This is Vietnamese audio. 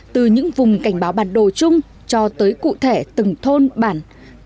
từ những vùng cảnh báo bản đồ chung cho tới cụ thể từng thôn bản